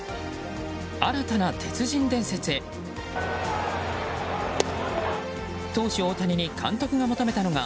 新たな鉄人伝説へ投手・大谷に監督が求めたのが。